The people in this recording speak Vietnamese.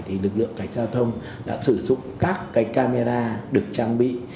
thì lực lượng cảnh giao thông đã sử dụng các cái camera được trang bị